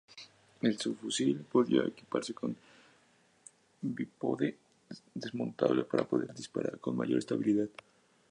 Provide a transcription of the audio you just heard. El subfusil podía equiparse con un bípode desmontable para poder disparar con mayor estabilidad.